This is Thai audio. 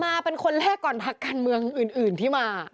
มาเป็นคนแรกก่อนพักการเมืองอื่นที่มา